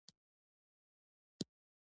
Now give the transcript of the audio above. هوسۍ او بدرۍ خورلڼي دي.